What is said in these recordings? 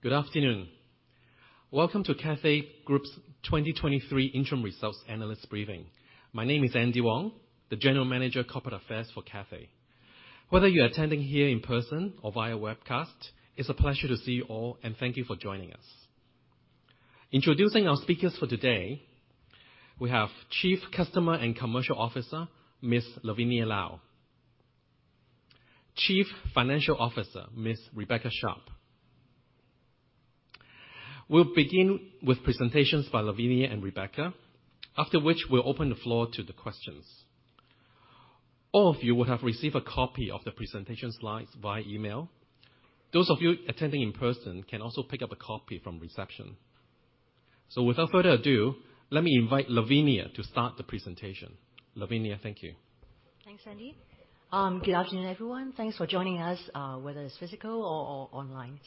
Good afternoon. Welcome to Cathay Group's 2023 Interim Results Analyst Briefing. My name is Andy Wong, the General Manager, Corporate Affairs for Cathay. Whether you are attending here in person or via webcast, it's a pleasure to see you all, and thank you for joining us. Introducing our speakers for today, we have Chief Customer and Commercial Officer, Ms. Lavinia Lau. Chief Financial Officer, Ms. Rebecca Sharpe. We'll begin with presentations by Lavinia and Rebecca, after which we'll open the floor to the questions. All of you will have received a copy of the presentation slides via email. Those of you attending in person can also pick up a copy from reception. Without further ado, let me invite Lavinia to start the presentation. Lavinia, thank you. Thanks, Andy. Good afternoon, everyone. Thanks for joining us, whether it's physical or online.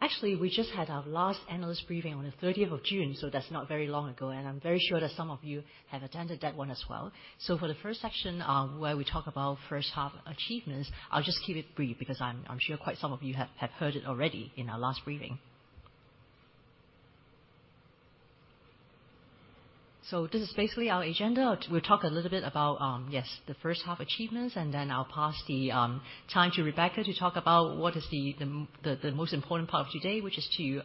Actually, we just had our last analyst briefing on the 30th of June, so that's not very long ago, and I'm very sure that some of you have attended that one as well. For the first section, where we talk about first half achievements, I'll just keep it brief because I'm sure quite some of you have heard it already in our last briefing. This is basically our agenda. We'll talk a little bit about, yes, the first half achievements, and then I'll pass the time to Rebecca to talk about what is the most important part of today, which is to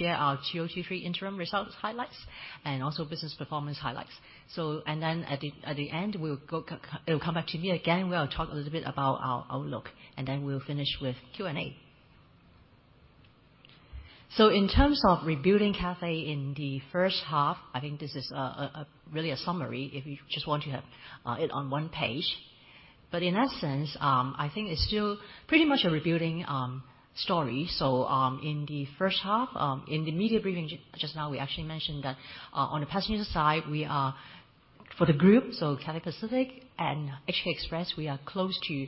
share our 2023 interim results highlights and also business performance highlights. At the, at the end, it'll come back to me again, where I'll talk a little bit about our outlook, then we'll finish with Q&A. In terms of rebuilding Cathay in the first half, I think this is really a summary, if you just want to have it on one page. In essence, I think it's still pretty much a rebuilding story. In the first half, in the media briefing just now, we actually mentioned that on the passenger side, we are, for the group, so Cathay Pacific and HK Express, we are close to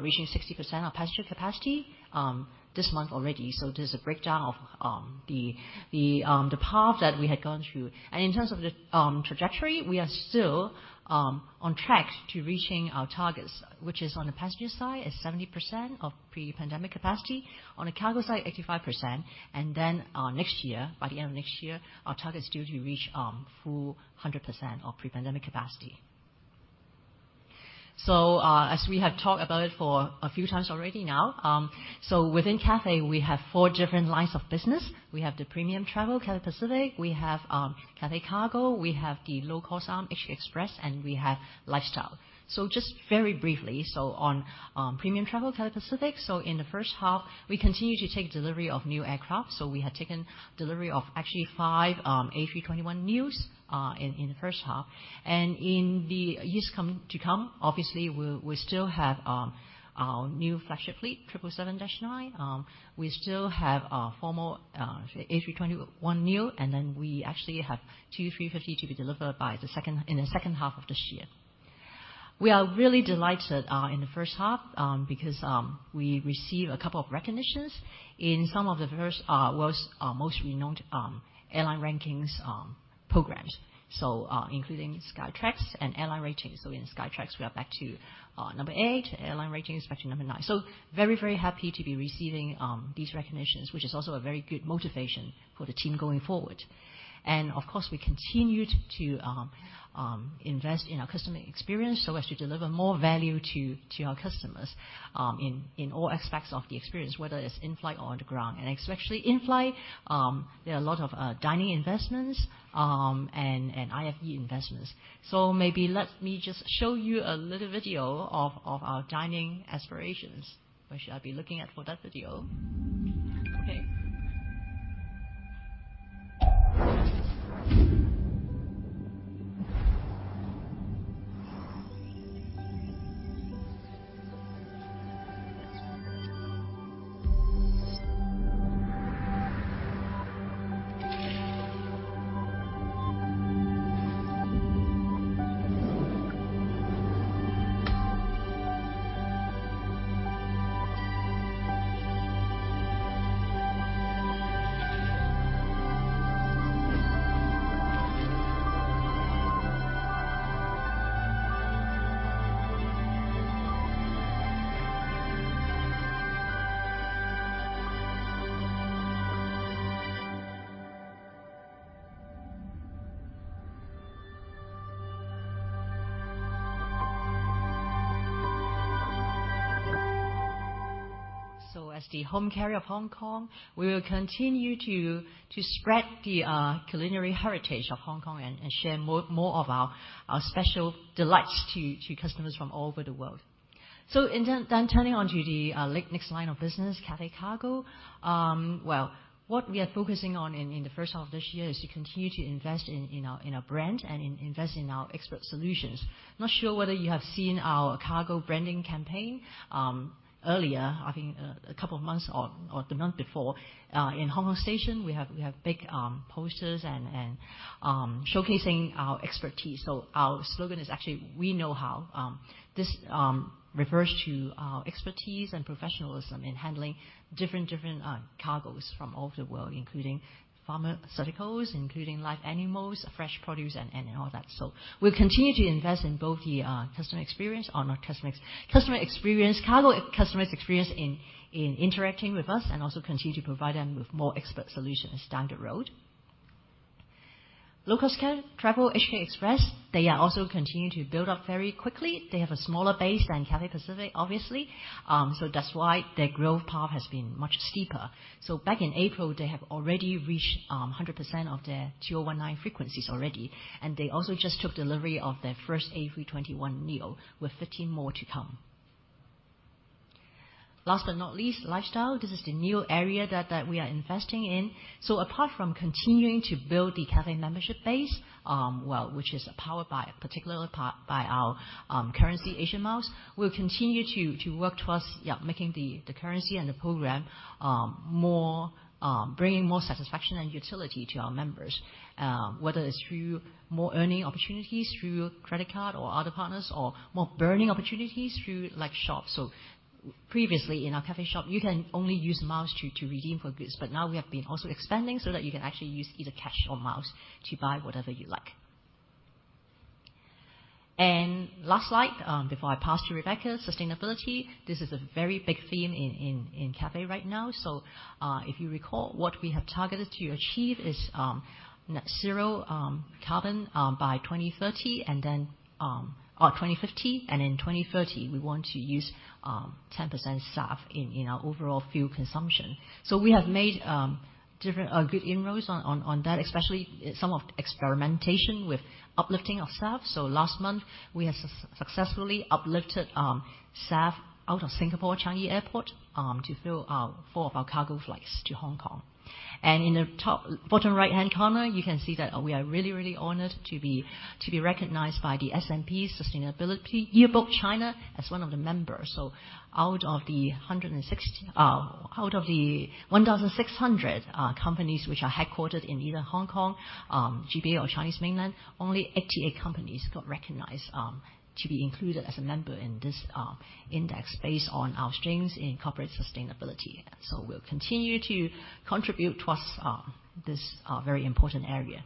reaching 60% of passenger capacity this month already. There's a breakdown of the, the path that we had gone through. In terms of the trajectory, we are still on track to reaching our targets, which is on the passenger side, is 70% of pre-pandemic capacity, on the cargo side, 85%. Next year, by the end of next year, our target is due to reach full 100% of pre-pandemic capacity. As we have talked about it for a few times already now, within Cathay, we have four different lines of business. We have the Premium Travel, Cathay Pacific, we have Cathay Cargo, we have the low-cost arm, HK Express, and we have Lifestyle. Just very briefly, on Premium Travel, Cathay Pacific, in the first half, we continued to take delivery of new aircraft. We had taken delivery of actually 5 A321neos in the first half. In the years coming to come, obviously, we, we still have our new flagship fleet, 777-9. We still have 4 more A321neo, and then we actually have 2 A350 to be delivered in the second half of this year. We are really delighted in the first half because we received a couple of recognitions in some of the world's most renowned airline rankings programs, including Skytrax and Airline Ratings. In Skytrax, we are back to number eight, Airline Ratings, back to number nine. Very, very happy to be receiving these recognitions, which is also a very good motivation for the team going forward. Of course, we continued to invest in our customer experience, so as to deliver more value to our customers, in all aspects of the experience, whether it's in-flight or on the ground. Especially in-flight, there are a lot of dining investments and IFE investments. Maybe let me just show you a little video of our dining aspirations. Where should I be looking at for that video? Okay. As the home carrier of Hong Kong, we will continue to spread the culinary heritage of Hong Kong and share more, more of our special delights to customers from all over the world. In turn, turning on to the next line of business, Cathay Cargo. Well, what we are focusing on in, in the first half of this year is to continue to invest in, in our, in our brand and in invest in our expert solutions. Not sure whether you have seen our cargo branding campaign earlier, I think a, a couple of months or, or the month before. In Hong Kong Station, we have, we have big posters and, and showcasing our expertise. Our slogan is actually, "We know how." This refers to our expertise and professionalism in handling different, different cargos from all over the world, including pharmaceuticals, including live animals, fresh produce, and, and all that. We'll continue to invest in both the customer experience or not customer, customer experience, cargo customers experience in interacting with us, and also continue to provide them with more expert solutions down the road. Low-cost carrier, HK Express, they are also continuing to build up very quickly. They have a smaller base than Cathay Pacific, obviously. So that's why their growth path has been much steeper. Back in April, they have already reached 100% of their 2019 frequencies already, and they also just took delivery of their first A321neo, with 15 more to come. Last but not least, Lifestyle. This is the new area that we are investing in. Apart from continuing to build the Cathay membership base, well, which is powered by, particularly, by, by our currency, Asia Miles, we'll continue to work towards, yeah, making the currency and the program more bringing more satisfaction and utility to our members. Whether it's through more earning opportunities through credit card or other partners, or more burning opportunities through, like, shops. Previously, in our Cathay Shop, you can only use miles to redeem for goods, but now we have been also expanding so that you can actually use either cash or miles to buy whatever you like. Last slide, before I pass to Rebecca, sustainability. This is a very big theme in Cathay right now. If you recall, what we have targeted to achieve is net zero carbon by 2050, and in 2030, we want to use 10% SAF in our overall fuel consumption. We have made different good inroads on that, especially some of experimentation with uplifting ourselves. Last month, we have successfully uplifted SAF out of Singapore Changi Airport to fill 4 of our cargo flights to Hong Kong. In the top bottom right-hand corner, you can see that we are really honored to be recognized by the S&P Sustainability Yearbook China as one of the members. Out of the 160, out of the 1,600 companies, which are headquartered in either Hong Kong, GB, or Chinese mainland, only 88 companies got recognized to be included as a member in this index based on our strengths in corporate sustainability. We'll continue to contribute towards this very important area.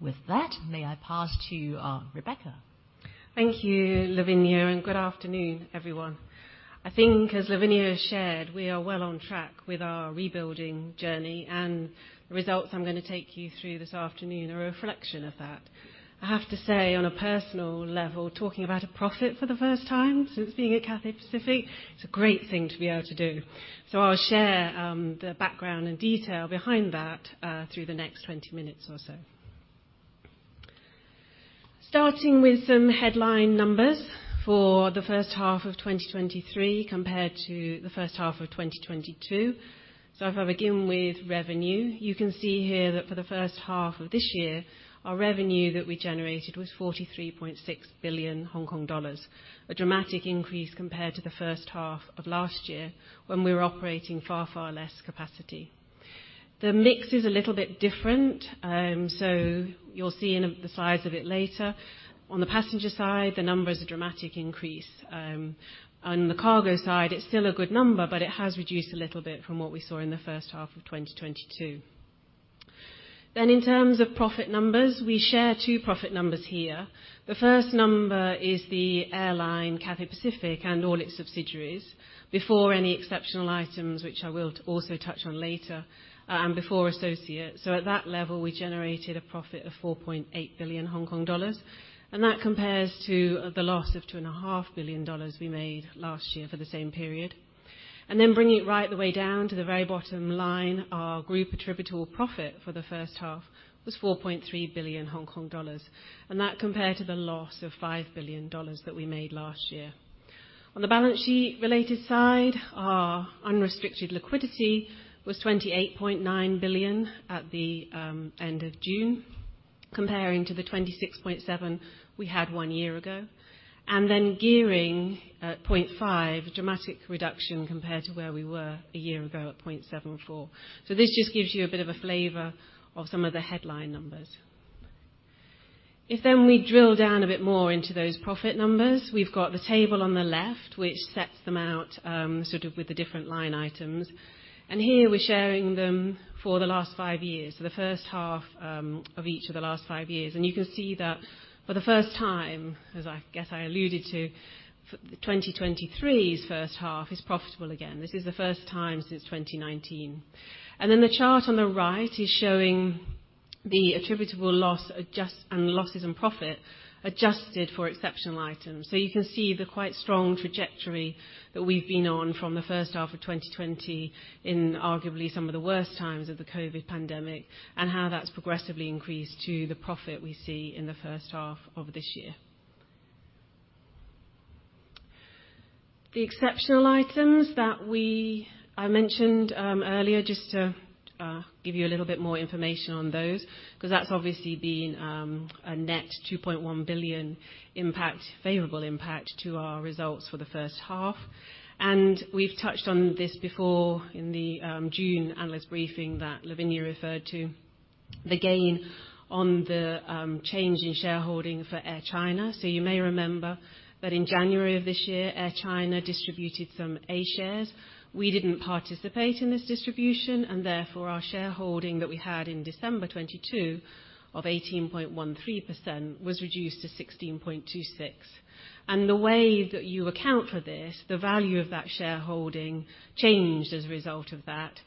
With that, may I pass to Rebecca? Thank you, Lavinia. Good afternoon, everyone. I think as Lavinia shared, we are well on track with our rebuilding journey, and the results I'm going to take you through this afternoon are a reflection of that. I have to say, on a personal level, talking about a profit for the first time since being at Cathay Pacific, it's a great thing to be able to do. I'll share the background and detail behind that through the next 20 minutes or so. Starting with some headline numbers for the first half of 2023 compared to the first half of 2022. If I begin with revenue, you can see here that for the first half of this year, our revenue that we generated was 43.6 billion Hong Kong dollars, a dramatic increase compared to the first half of last year when we were operating far, far less capacity. The mix is a little bit different, you'll see in the size of it later. On the passenger side, the numbers are a dramatic increase. On the cargo side, it's still a good number, but it has reduced a little bit from what we saw in the first half of 2022. In terms of profit numbers, we share two profit numbers here. The first number is the airline, Cathay Pacific, and all its subsidiaries, before any exceptional items, which I will also touch on later, and before associates. At that level, we generated a profit of 4.8 billion Hong Kong dollars, and that compares to the loss of 2.5 billion dollars we made last year for the same period. Bringing it right the way down to the very bottom line, our group attributable profit for the first half was 4.3 billion Hong Kong dollars, and that compared to the loss of 5 billion dollars that we made last year. On the balance sheet-related side, our unrestricted liquidity was 28.9 billion at the end of June, comparing to the 26.7 billion we had one year ago. Gearing at 0.5, dramatic reduction compared to where we were a year ago at 0.74. This just gives you a bit of a flavor of some of the headline numbers. If we drill down a bit more into those profit numbers, we've got the table on the left, which sets them out, sort of with the different line items. Here we're sharing them for the last five years, so the first half, of each of the last five years. You can see that for the first time, as I guess I alluded to, 2023's first half is profitable again. This is the first time since 2019. Then the chart on the right is showing the attributable loss and losses and profit, adjusted for exceptional items. You can see the quite strong trajectory that we've been on from the first half of 2020, in arguably some of the worst times of the COVID pandemic, and how that's progressively increased to the profit we see in the first half of this year. The exceptional items that we I mentioned earlier, just to give you a little bit more information on those, 'cause that's obviously been a net 2.1 billion impact, favorable impact to our results for the first half. We've touched on this before in the June analyst briefing that Lavinia referred to, the gain on the change in shareholding for Air China. You may remember that in January of this year, Air China distributed some A shares. We didn't participate in this distribution, therefore, our shareholding that we had in December 2022, of 18.13%, was reduced to 16.26%. The way that you account for this, the value of that shareholding changed as a result of that,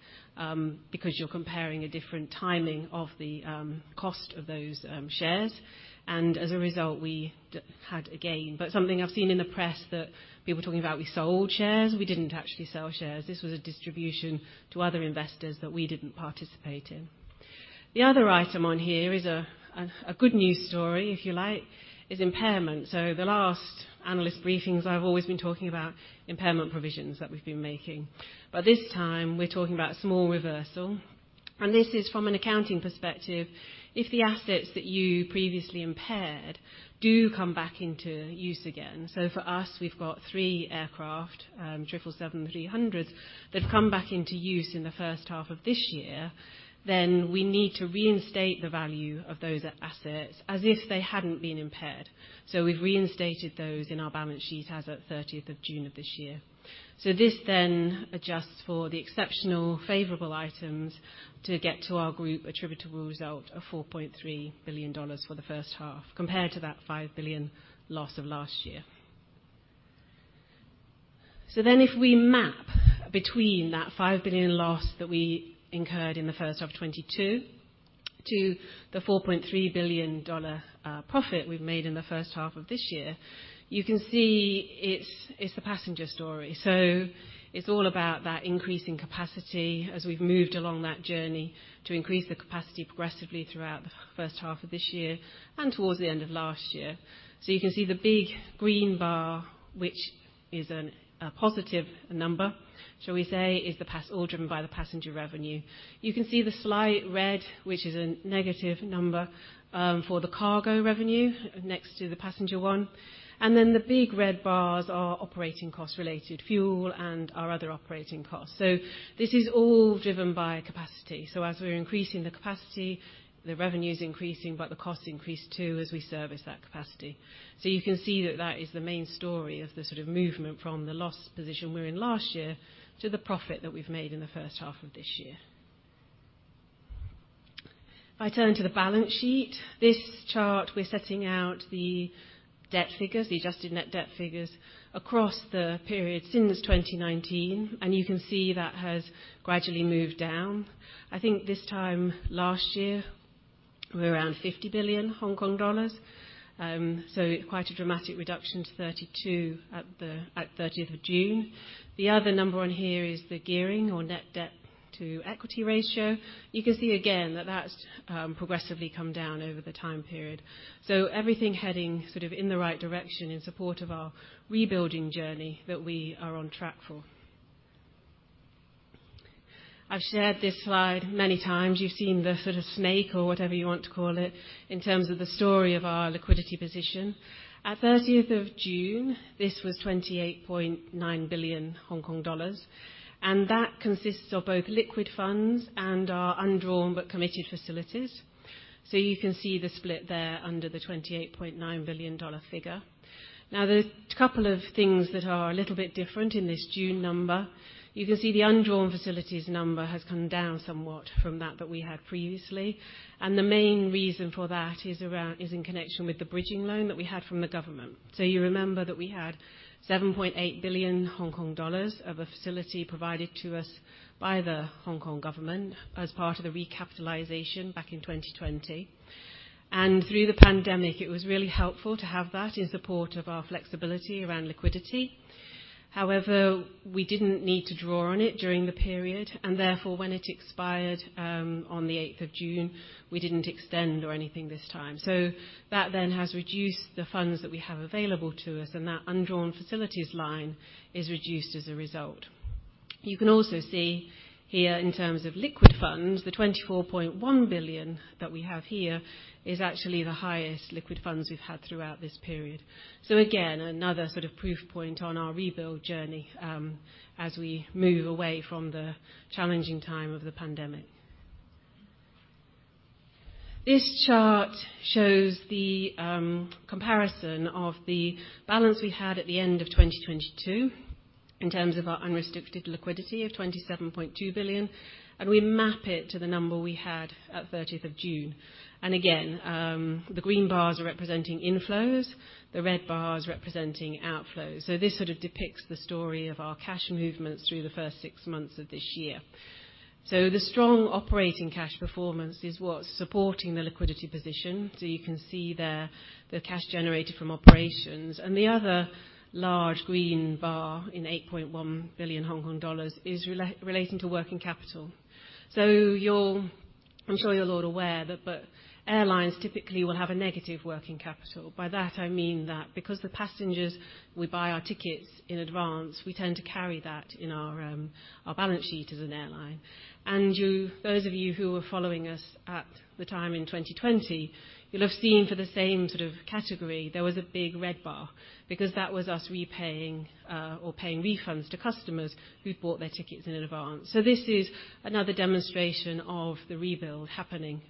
because you're comparing a different timing of the cost of those shares, and as a result, we had a gain. Something I've seen in the press that people talking about we sold shares, we didn't actually sell shares. This was a distribution to other investors that we didn't participate in. The other item on here is a good news story, if you like, is impairment. The last analyst briefings, I've always been talking about impairment provisions that we've been making, but this time we're talking about a small reversal, and this is from an accounting perspective. If the assets that you previously impaired do come back into use again, for us, we've got three aircraft, 777-300s, that come back into use in the first half of this year, then we need to reinstate the value of those assets as if they hadn't been impaired. We've reinstated those in our balance sheet as at 30th of June of this year. This then adjusts for the exceptional favorable items to get to our group attributable result of $4.3 billion for the first half, compared to that $5 billion loss of last year. Then, if we map between that 5 billion loss that we incurred in the first half of 2022, to the 4.3 billion dollar profit we've made in the first half of this year, you can see it's, it's the passenger story. It's all about that increasing capacity as we've moved along that journey to increase the capacity progressively throughout the first half of this year and towards the end of last year. You can see the big green bar, which is a positive number, shall we say, is the pass-- all driven by the passenger revenue. You can see the slight red, which is a negative number, for the cargo revenue next to the passenger one. Then, the big red bars are operating cost related, fuel and our other operating costs. This is all driven by capacity. As we're increasing the capacity, the revenue is increasing, but the costs increase too as we service that capacity. You can see that that is the main story of the sort of movement from the loss position we were in last year to the profit that we've made in the first half of this year. If I turn to the balance sheet, this chart, we're setting out the debt figures, the adjusted net debt figures, across the periods since 2019. You can see that has gradually moved down. I think this time last year, we were around 50 billion Hong Kong dollars. Quite a dramatic reduction to 32 at the 30th of June. The other number on here is the gearing or net debt to equity ratio. You can see again that that's progressively come down over the time period. Everything heading sort of in the right direction in support of our rebuilding journey that we are on track for. I've shared this slide many times. You've seen the sort of snake or whatever you want to call it, in terms of the story of our liquidity position. At 30th of June, this was 28.9 billion Hong Kong dollars, and that consists of both liquid funds and our undrawn, but committed facilities. You can see the split there under the 28.9 billion dollar figure. Now, there's a couple of things that are a little bit different in this June number. You can see the undrawn facilities number has come down somewhat from that, that we had previously. The main reason for that is around, is in connection with the bridging loan that we had from the government. You remember that we had 7.8 billion Hong Kong dollars of a facility provided to us by the Hong Kong government as part of the recapitalization back in 2020. Through the pandemic, it was really helpful to have that in support of our flexibility around liquidity. However, we didn't need to draw on it during the period, and therefore, when it expired on the 8th of June, we didn't extend or anything this time. That then has reduced the funds that we have available to us, and that undrawn facilities line is reduced as a result. You can also see here, in terms of liquid funds, the 24.1 billion that we have here is actually the highest liquid funds we've had throughout this period. Again, another sort of proof point on our rebuild journey, as we move away from the challenging time of the pandemic. This chart shows the comparison of the balance we had at the end of 2022, in terms of our unrestricted liquidity of 27.2 billion, and we map it to the number we had at 30th of June. Again, the green bars are representing inflows, the red bars representing outflows. This sort of depicts the story of our cash movements through the first six months of this year. The strong operating cash performance is what's supporting the liquidity position. You can see there, the cash generated from operations. The other large green bar, in 8.1 billion Hong Kong dollars, is relating to working capital. You're... I'm sure you're all aware that the airlines typically will have a negative working capital. By that, I mean that because the passengers will buy our tickets in advance, we tend to carry that in our balance sheet as an airline. You, those of you who were following us at the time in 2020, you'll have seen for the same sort of category, there was a big red bar, because that was us repaying or paying refunds to customers who'd bought their tickets in advance. This is another demonstration of the rebuild happening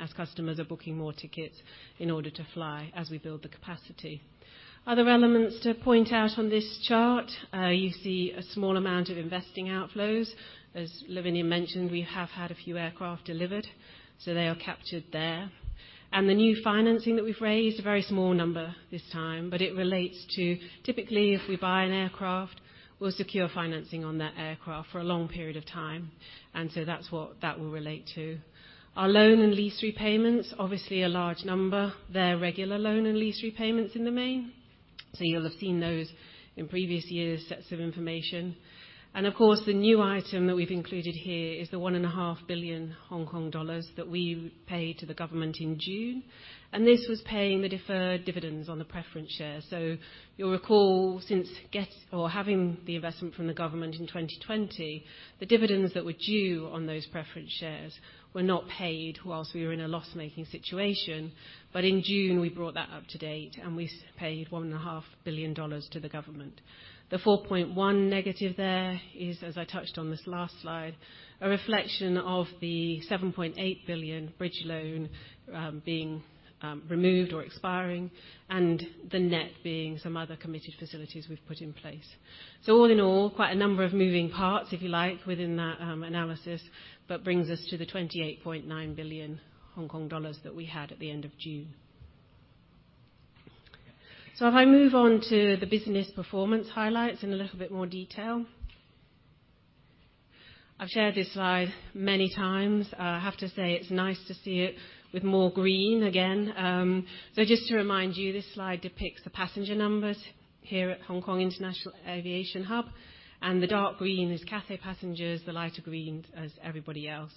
as customers are booking more tickets in order to fly as we build the capacity. Other elements to point out on this chart, you see a small amount of investing outflows. As Lavinia mentioned, we have had a few aircraft delivered, so they are captured there. The new financing that we've raised, a very small number this time, but it relates to typically, if we buy an aircraft. We'll secure financing on that aircraft for a long period of time. That's what that will relate to. Our loan and lease repayments, obviously a large number. They're regular loan and lease repayments in the main, so you'll have seen those in previous years' sets of information. Of course, the new item that we've included here is the 1.5 billion Hong Kong dollars that we paid to the government in June. This was paying the deferred dividends on the preference shares. You'll recall, since having the investment from the government in 2020, the dividends that were due on those preference shares were not paid whilst we were in a loss-making situation. In June, we brought that up to date, and we paid 1.5 billion dollars to the government. The 4.1 negative there is, as I touched on this last slide, a reflection of the 7.8 billion bridge loan being removed or expiring, and the net being some other committed facilities we've put in place. All in all, quite a number of moving parts, if you like, within that analysis, but brings us to the 28.9 billion Hong Kong dollars that we had at the end of June. If I move on to the business performance highlights in a little bit more detail. I've shared this slide many times. I have to say, it's nice to see it with more green again. Just to remind you, this slide depicts the passenger numbers here at Hong Kong International Aviation Hub. The dark green is Cathay passengers, the lighter green is everybody else.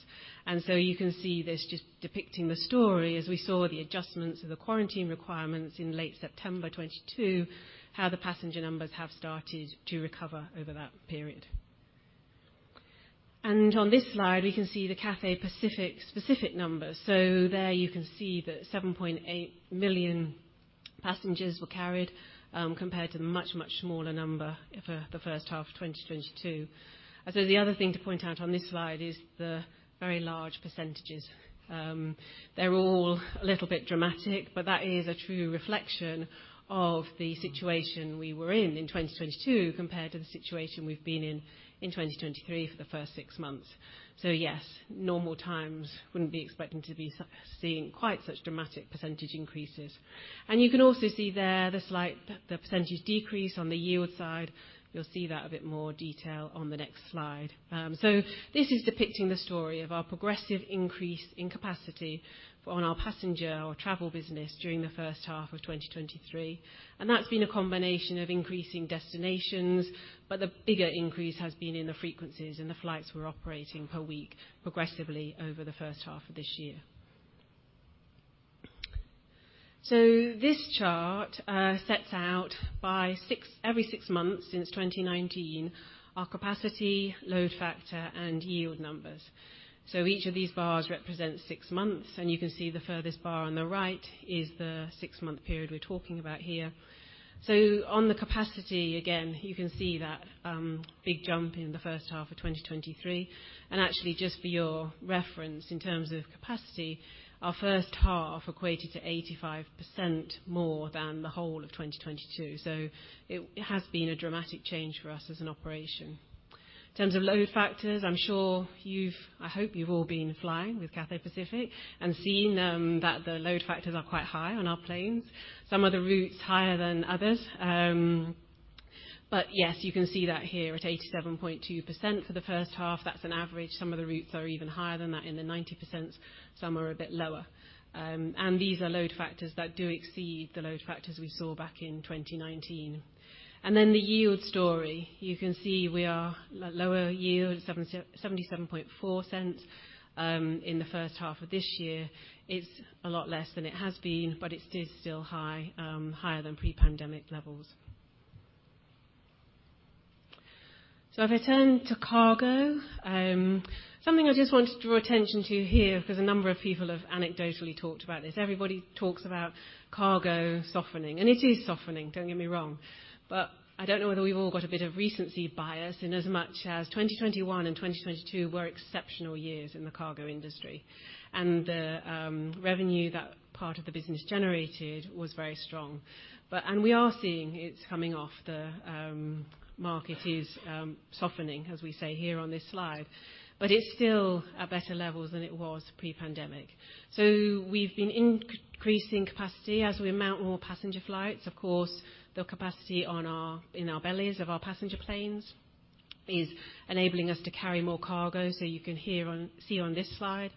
You can see this just depicting the story, as we saw the adjustments of the quarantine requirements in late September 2022, how the passenger numbers have started to recover over that period. On this slide, we can see the Cathay Pacific specific numbers. There you can see that 7.8 million passengers were carried compared to the much, much smaller number for the first half of 2022. I'd say the other thing to point out on this slide is the very large percentages. They're all a little bit dramatic, but that is a true reflection of the situation we were in in 2022 compared to the situation we've been in in 2023 for the first six months. Yes, normal times wouldn't be expecting to be seeing quite such dramatic percentage increases. You can also see there, the slight, the % decrease on the yield side. You'll see that in a bit more detail on the next slide. This is depicting the story of our progressive increase in capacity on our passenger or travel business during the first half of 2023, and that's been a combination of increasing destinations, but the bigger increase has been in the frequencies and the flights we're operating per week, progressively over the first half of this year. This chart sets out by six, every six months since 2019, our capacity, load factor, and yield numbers. Each of these bars represents six months, and you can see the furthest bar on the right is the six-month period we're talking about here. On the capacity, again, you can see that big jump in the first half of 2023. Actually, just for your reference, in terms of capacity, our first half equated to 85% more than the whole of 2022. It, it has been a dramatic change for us as an operation. In terms of load factors, I hope you've all been flying with Cathay Pacific and seen that the load factors are quite high on our planes, some of the routes higher than others. Yes, you can see that here at 87.2% for the first half. That's an average. Some of the routes are even higher than that, in the 90%. Some are a bit lower. These are load factors that do exceed the load factors we saw back in 2019. The yield story. You can see we are lower yield, 0.774, in the first half of this year. It's a lot less than it has been, but it is still high, higher than pre-pandemic levels. If I turn to cargo, something I just wanted to draw attention to here, because a number of people have anecdotally talked about this. Everybody talks about cargo softening, and it is softening, don't get me wrong. I don't know whether we've all got a bit of recency bias, in as much as 2021 and 2022 were exceptional years in the cargo industry, and the revenue that part of the business generated was very strong. We are seeing it's coming off. The market is softening, as we say here on this slide, but it's still at better levels than it was pre-pandemic. We've been increasing capacity as we mount more passenger flights. Of course, the capacity on our, in our bellies of our passenger planes is enabling us to carry more cargo, so you can see on this slide,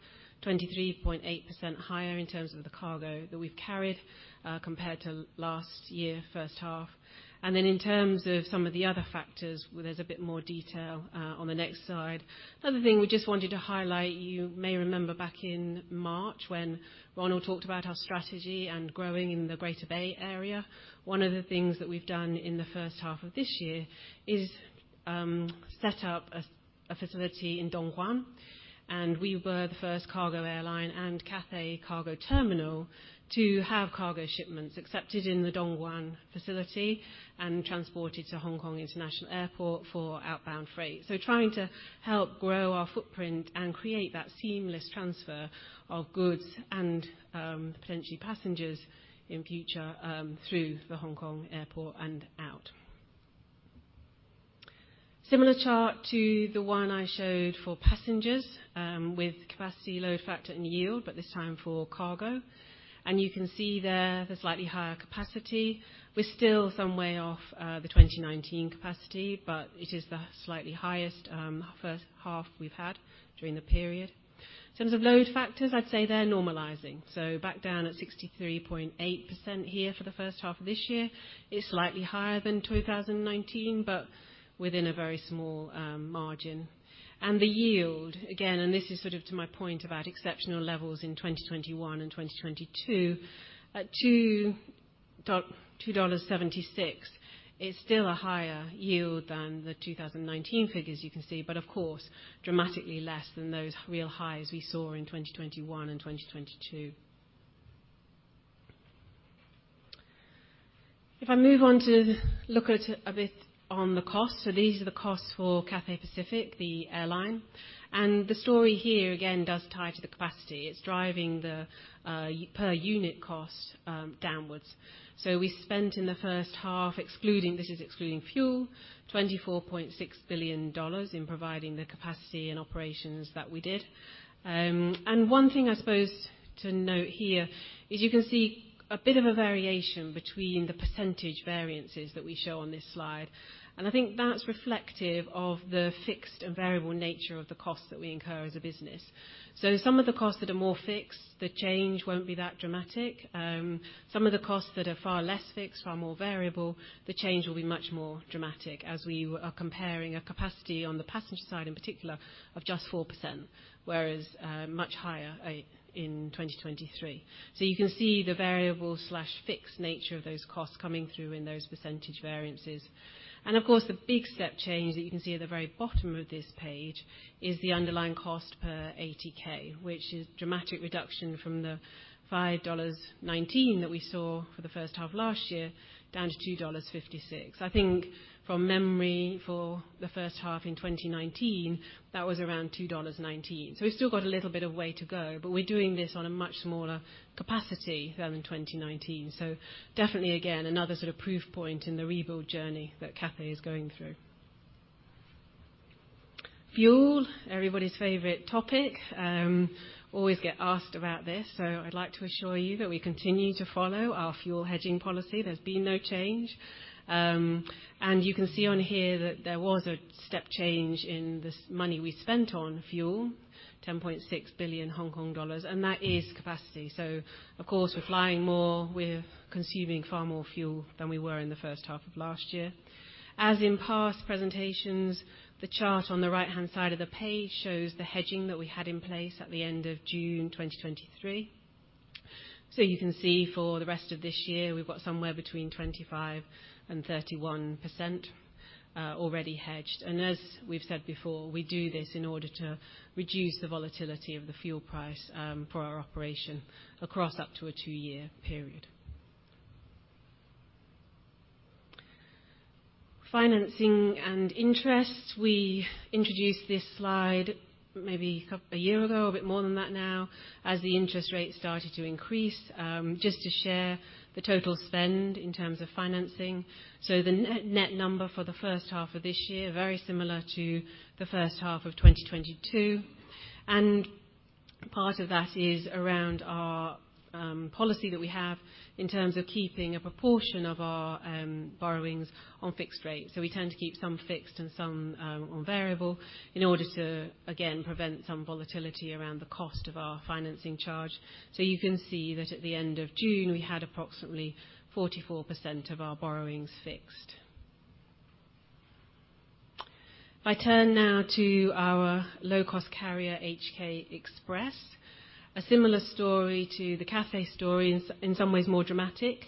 23.8% higher in terms of the cargo that we've carried, compared to last year, first half. In terms of some of the other factors, well, there's a bit more detail on the next slide. Another thing we just wanted to highlight, you may remember back in March when Ronald talked about our strategy and growing in the Greater Bay Area. One of the things that we've done in the first half of this year is set up a facility in Dongguan, and we were the first cargo airline and Cathay Cargo Terminal to have cargo shipments accepted in the Dongguan facility and transported to Hong Kong International Airport for outbound freight. Trying to help grow our footprint and create that seamless transfer of goods and potentially passengers in future through the Hong Kong airport and out. Similar chart to the one I showed for passengers with capacity load factor and yield, but this time for cargo. You can see there the slightly higher capacity. We're still some way off the 2019 capacity, but it is the slightly highest first half we've had during the period. In terms of load factors, I'd say they're normalizing, so back down at 63.8% here for the first half of this year. It's slightly higher than 2019, but within a very small margin. The yield, again, and this is sort of to my point about exceptional levels in 2021 and 2022. At $2.76, it's still a higher yield than the 2019 figures you can see, but of course, dramatically less than those real highs we saw in 2021 and 2022. I move on to look at a bit on the costs. These are the costs for Cathay Pacific, the airline. The story here, again, does tie to the capacity. It's driving the per unit cost downwards. We spent in the first half, excluding, this is excluding fuel, $24.6 billion in providing the capacity and operations that we did. One thing I suppose to note here, is you can see a bit of a variation between the percentage variances that we show on this slide, and I think that's reflective of the fixed and variable nature of the costs that we incur as a business. Some of the costs that are more fixed, the change won't be that dramatic. Some of the costs that are far less fixed, far more variable, the change will be much more dramatic, as we are comparing a capacity on the passenger side, in particular, of just 4%, whereas much higher in 2023. You can see the variable/fixed nature of those costs coming through in those percentage variances. The big step change that you can see at the very bottom of this page is the underlying cost per ATK, which is dramatic reduction from the $5.19 that we saw for the first half of last year, down to $2.56. I think from memory, for the first half in 2019, that was around $2.19. We've still got a little bit of way to go, but we're doing this on a much smaller capacity than in 2019. Definitely, again, another sort of proof point in the rebuild journey that Cathay is going through. Fuel, everybody's favorite topic. always get asked about this, so I'd like to assure you that we continue to follow our fuel hedging policy. There's been no change. and you can see on here that there was a step change in this money we spent on fuel, 10.6 billion Hong Kong dollars, and that is capacity. Of course, we're flying more, we're consuming far more fuel than we were in the first half of last year. As in past presentations, the chart on the right-hand side of the page shows the hedging that we had in place at the end of June 2023. You can see for the rest of this year, we've got somewhere between 25%-31% already hedged. As we've said before, we do this in order to reduce the volatility of the fuel price for our operation across up to a two-year period. Financing and interest. We introduced this slide maybe a couple, one year ago, a bit more than that now, as the interest rates started to increase just to share the total spend in terms of financing. The net, net number for the first half of this year, very similar to the first half of 2022. Part of that is around our policy that we have in terms of keeping a proportion of our borrowings on fixed rate. We tend to keep some fixed and some on variable in order to, again, prevent some volatility around the cost of our financing charge. You can see that at the end of June, we had approximately 44% of our borrowings fixed. If I turn now to our low-cost carrier, HK Express, a similar story to the Cathay story, in some ways more dramatic.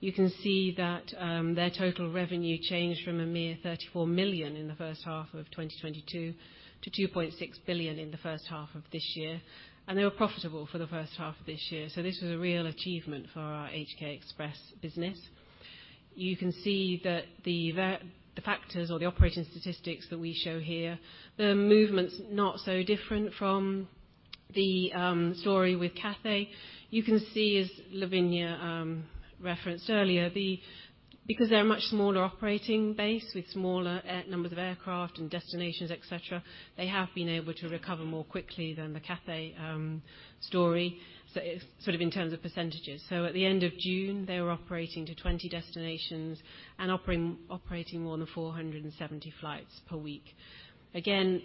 You can see that their total revenue changed from a mere 34 million in the first half of 2022 to 2.6 billion in the first half of this year, and they were profitable for the first half of this year. This was a real achievement for our HK Express business. You can see that the factors or the operating statistics that we show here, the movement's not so different from the story with Cathay. You can see, as Lavinia referenced earlier, the because they're a much smaller operating base with smaller numbers of aircraft and destinations, et cetera, they have been able to recover more quickly than the Cathay story, sort of in terms of percentages. At the end of June, they were operating to 20 destinations and operating more than 470 flights per week.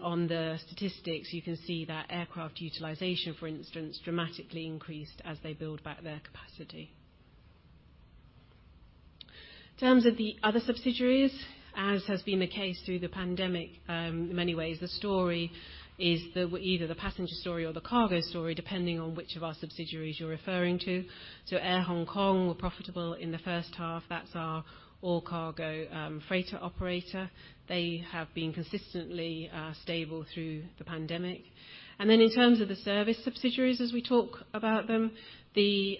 On the statistics, you can see that aircraft utilization, for instance, dramatically increased as they build back their capacity. In terms of the other subsidiaries, as has been the case through the pandemic, in many ways, the story is either the passenger story or the cargo story, depending on which of our subsidiaries you're referring to. Air Hong Kong were profitable in the first half. That's our all-cargo freighter operator. They have been consistently stable through the pandemic. In terms of the service subsidiaries, as we talk about them, the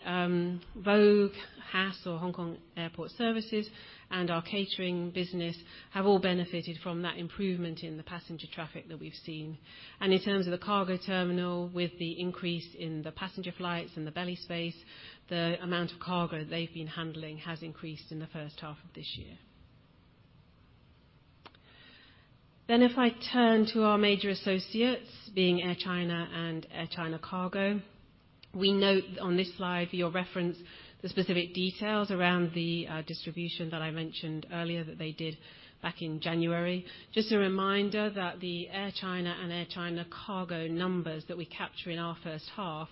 Vogue, HASA or Hong Kong Airport Services, and our catering business have all benefited from that improvement in the passenger traffic that we've seen. In terms of the cargo terminal, with the increase in the passenger flights and the belly space, the amount of cargo they've been handling has increased in the first half of this year. If I turn to our major associates, being Air China and Air China Cargo, we note on this slide, for your reference, the specific details around the distribution that I mentioned earlier that they did back in January. Just a reminder that the Air China and Air China Cargo numbers that we capture in our first half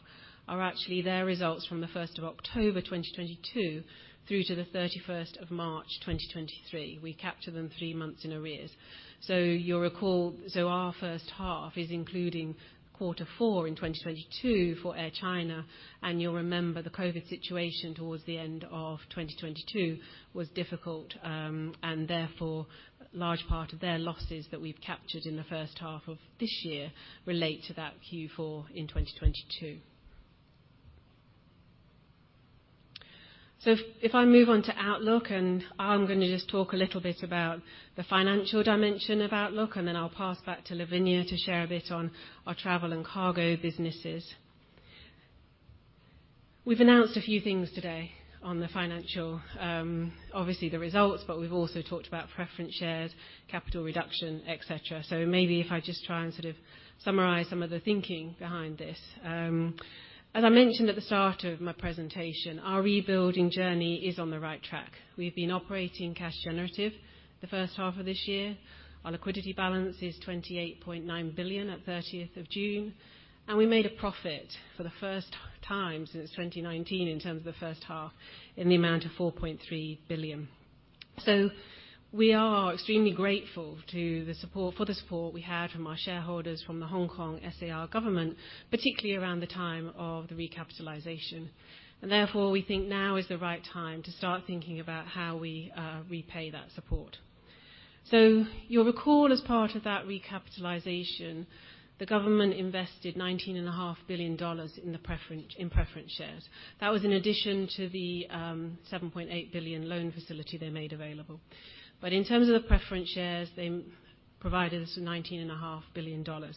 are actually their results from the 1st of October 2022 through to the 31st of March, 2023. We capture them three months in arrears. You'll recall, our first half is including Q4 in 2022 for Air China, and you'll remember the COVID situation towards the end of 2022 was difficult, and therefore, a large part of their losses that we've captured in the first half of this year relate to that Q4 in 2022. If I move on to outlook, and I'm going to just talk a little bit about the financial dimension of outlook, and then I'll pass back to Lavinia to share a bit on our travel and cargo businesses. We've announced a few things today on the financial. obviously, the results, but we've also talked about preference shares, capital reduction, et cetera. Maybe if I just try and sort of summarize some of the thinking behind this. As I mentioned at the start of my presentation, our rebuilding journey is on the right track. We've been operating cash generative the first half of this year. Our liquidity balance is 28.9 billion at 30th of June, and we made a profit for the first time since 2019, in terms of the first half, in the amount of 4.3 billion. We are extremely grateful for the support we had from our shareholders from the Hong Kong SAR government, particularly around the time of the recapitalization, and therefore, we think now is the right time to start thinking about how we repay that support. You'll recall, as part of that recapitalization, the government invested 19.5 billion dollars in preference shares. That was in addition to the 7.8 billion loan facility they made available. In terms of the preference shares, they provided us with 19.5 billion dollars,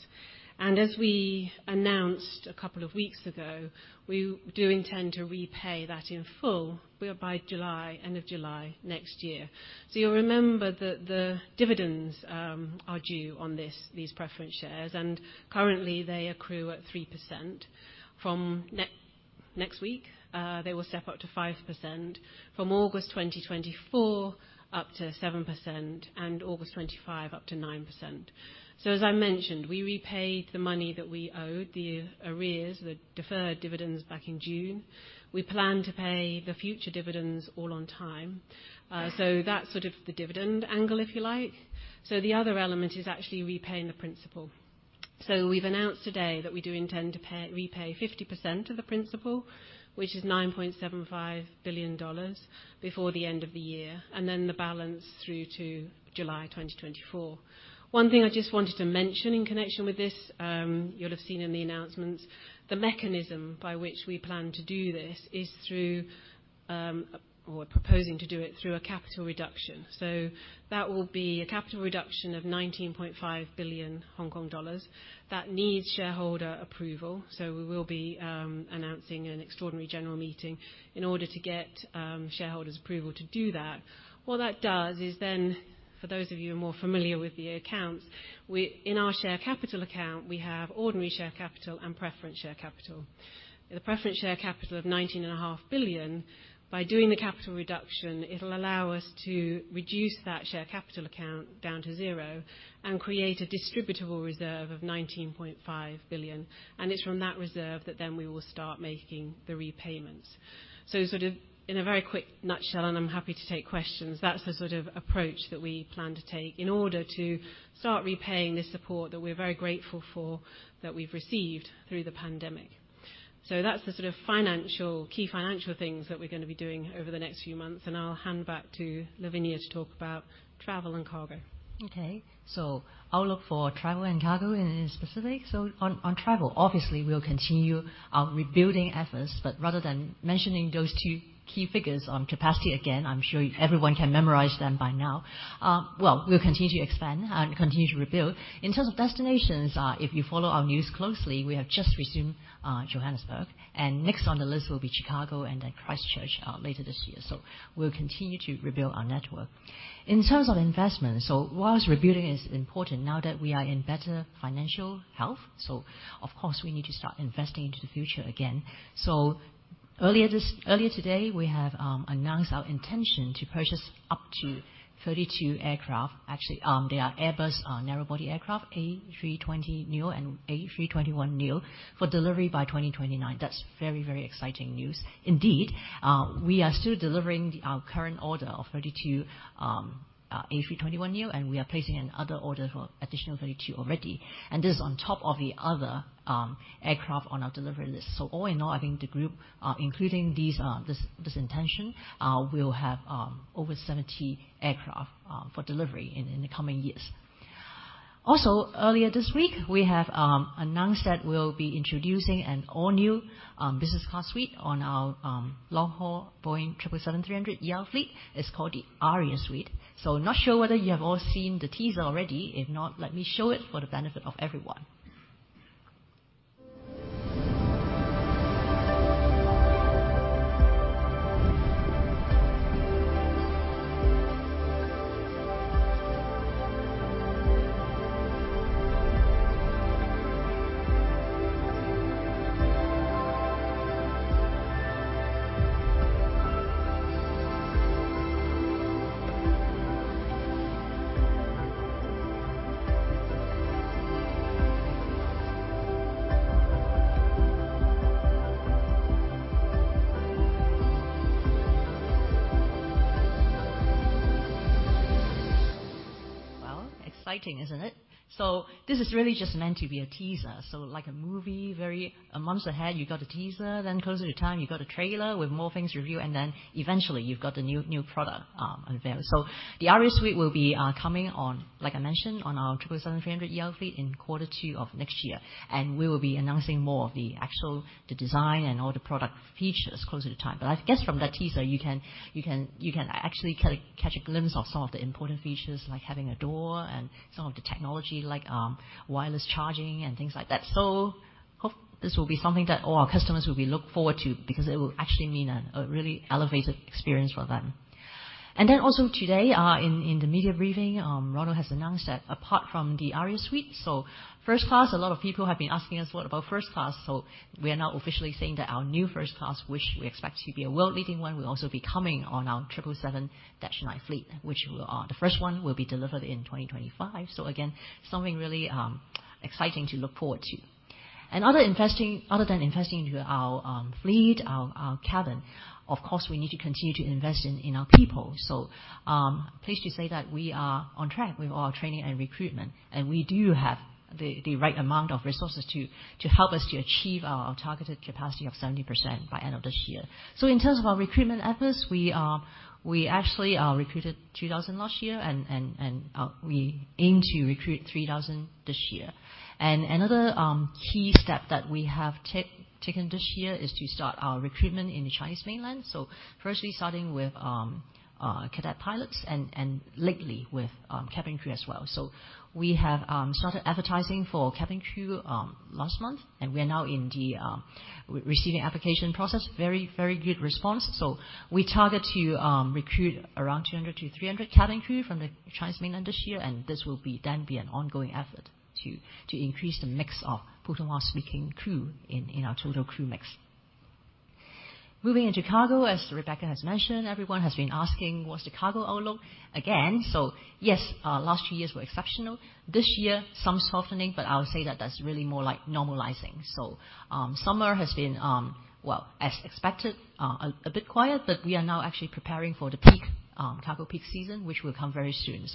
and as we announced a couple of weeks ago, we do intend to repay that in full, where by July, end of July next year. You'll remember that the dividends are due on these preference shares, and currently, they accrue at 3%. From next week, they will step up to 5%, from August 2024 up to 7%, and August 2025 up to 9%. As I mentioned, we repaid the money that we owed, the arrears, the deferred dividends back in June. We plan to pay the future dividends all on time. That's sort of the dividend angle, if you like. The other element is actually repaying the principal. We've announced today that we do intend to pay, repay 50% of the principal, which is $9.75 billion, before the end of the year, and then the balance through to July 2024. One thing I just wanted to mention in connection with this, you'll have seen in the announcements, the mechanism by which we plan to do this is through, or proposing to do it through a capital reduction. That will be a capital reduction of 19.5 billion Hong Kong dollars. That needs shareholder approval. We will be announcing an extraordinary general meeting in order to get shareholders' approval to do that. What that does is then, for those of you who are more familiar with the accounts, in our share capital account, we have ordinary share capital and preference share capital. The preference share capital of 19.5 billion, by doing the capital reduction, it'll allow us to reduce that share capital account down to zero and create a distributable reserve of 19.5 billion. It's from that reserve that then we will start making the repayments. Sort of in a very quick nutshell, I'm happy to take questions, that's the sort of approach that we plan to take in order to start repaying the support that we're very grateful for, that we've received through the pandemic. That's the sort of financial, key financial things that we're going to be doing over the next few months. I'll hand back to Lavinia to talk about travel and cargo. Okay, outlook for travel and cargo in specific. On travel, obviously, we'll continue our rebuilding efforts, but rather than mentioning those 2 key figures on capacity again, I'm sure everyone can memorize them by now. Well, we'll continue to expand and continue to rebuild. In terms of destinations, if you follow our news closely, we have just resumed Johannesburg, and next on the list will be Chicago and then Christchurch later this year. We'll continue to rebuild our network. In terms of investment, whilst rebuilding is important, now that we are in better financial health, of course, we need to start investing into the future again. Earlier today, we have announced our intention to purchase up to 32 aircraft. Actually, they are Airbus narrow body aircraft, A320neo and A321neo, for delivery by 2029. That's very, very exciting news indeed. We are still delivering our current order of 32 A321neo, and we are placing another order for additional 32 already, and this is on top of the other aircraft on our delivery list. All in all, I think the group, including these, this, this intention, will have over 70 aircraft for delivery in, in the coming years. Also, earlier this week, we have announced that we'll be introducing an all-new business class suite on our long-haul Boeing triple seven three hundred ER fleet. It's called the Aria Suite. Not sure whether you have all seen the teaser already. If not, let me show it for the benefit of everyone. Well, exciting, isn't it? This is really just meant to be a teaser. Like a movie, months ahead, you got a teaser, then closer to time, you've got a trailer with more things revealed, and then eventually you've got the new, new product available. The Aria Suite will be coming on, like I mentioned, on our 777-300ER fleet in Q2 of next year, and we will be announcing more of the actual, the design and all the product features closer to time. I guess from that teaser, you can actually catch a glimpse of some of the important features, like having a door and some of the technology, like wireless charging and things like that. Hope this will be something that all our customers will be look forward to, because it will actually mean a, a really elevated experience for them. Also today, in the media briefing, Ronald has announced that apart from the Aria Suite. First class, a lot of people have been asking us, "What about first class?" We are now officially saying that our new first class, which we expect to be a world-leading one, will also be coming on our 777-9 fleet, which will, the first one will be delivered in 2025. Again, something really exciting to look forward to. Other than investing into our fleet, our cabin, of course, we need to continue to invest in our people. Pleased to say that we are on track with all training and recruitment, and we do have the, the right amount of resources to, to help us to achieve our targeted capacity of 70% by end of this year. In terms of our recruitment efforts, we actually recruited 2,000 last year, and we aim to recruit 3,000 this year. Another key step that we have taken this year is to start our recruitment in the Chinese mainland. Firstly, starting with cadet pilots and lately with cabin crew as well. We have started advertising for cabin crew last month, and we are now in the receiving application process. Very, very good response. We target to recruit around 200-300 cabin crew from the Chinese mainland this year, and this will then be an ongoing effort to increase the mix of Putonghua-speaking crew in our total crew mix. Moving into cargo, as Rebecca has mentioned, everyone has been asking, "What's the cargo outlook?" Again, yes, last two years were exceptional. This year, some softening, but I would say that that's really more like normalizing. Summer has been, well, as expected, a bit quiet, but we are now actually preparing for the peak cargo peak season, which will come very soon.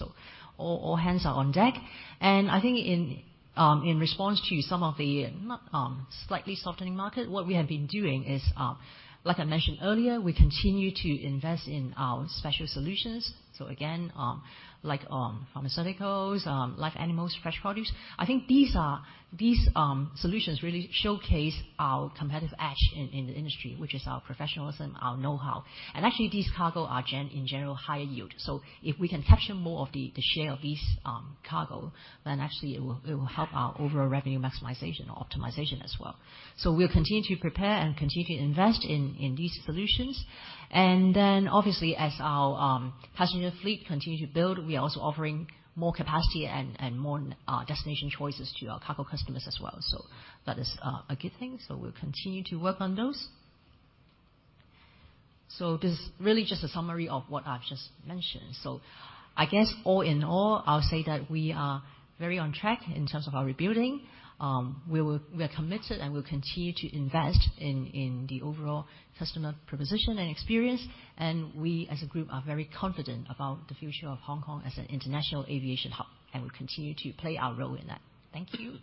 All hands are on deck. I think in response to some of the slightly softening market, what we have been doing is, like I mentioned earlier, we continue to invest in our special solutions. Again, like pharmaceuticals, live animals, fresh produce. I think these solutions really showcase our competitive edge in the industry, which is our professionalism, our know-how. Actually, these cargo are in general, higher yield. If we can capture more of the, the share of these cargo, then actually it will, it will help our overall revenue maximization or optimization as well. We'll continue to prepare and continue to invest in these solutions. Then, obviously, as our passenger fleet continue to build, we are also offering more capacity and, and more destination choices to our cargo customers as well. That is a good thing, so we'll continue to work on those. This is really just a summary of what I've just mentioned. I guess all in all, I'll say that we are very on track in terms of our rebuilding. We are committed and will continue to invest in, in the overall customer proposition and experience, and we, as a group, are very confident about the future of Hong Kong as an international aviation hub, and we continue to play our role in that. Thank you.